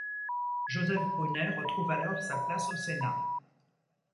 Joseph Brunet retrouve alors sa place au Sénat.